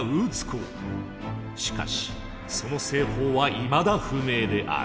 しかしその製法はいまだ不明である。